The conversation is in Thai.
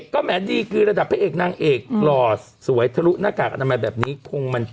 แค่นี้รู้แล้วเลยเหรอ